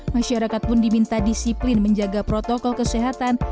masyarakat pun diminta disiplin menjaga protokol kesehatan